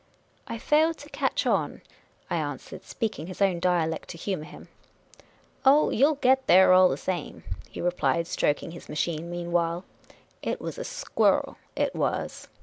" I fail to catch on," I answered, speaking his own dialect to humour him. " Oh, you '11 get there all the same," he replied, stroking his machine meanwhile. " It was a squirrel, it was